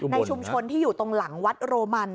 ในชุมชนที่อยู่ตรงหลังวัดโรมัน